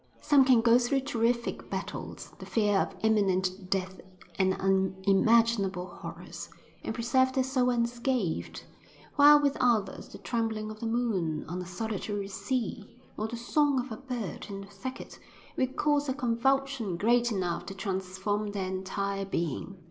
Some can go through terrific battles, the fear of imminent death and unimaginable horrors, and preserve their soul unscathed, while with others the trembling of the moon on a solitary sea or the song of a bird in a thicket will cause a convulsion great enough to transform their entire being.